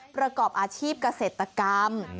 ประกอบอาชีพเกษตรกรรม